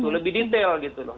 lebih detail gitu loh